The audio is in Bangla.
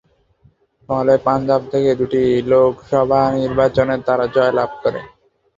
ফলে পাঞ্জাব থেকে দুটি লোকসভা নির্বাচনে তারা জয়লাভ করে।